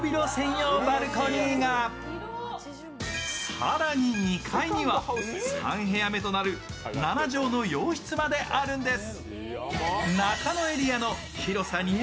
更に２階には３部屋目となる７畳の洋室まであるんです。